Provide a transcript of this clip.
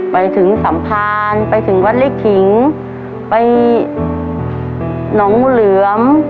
ไปถึงสัมภารไปถึงวัดลิขิงไปหนองงูเหลือม